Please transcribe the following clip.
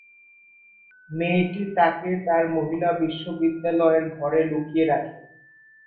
মেয়েটি তাকে তার মহিলা বিশ্ববিদ্যালয়ের ঘরে লুকিয়ে রাখে।